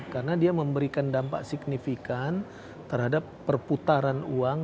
karena dia memberikan dampak signifikan terhadap perputaran uang